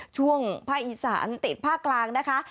ช่วงภาคอีสานติดภาคกลางนะคะ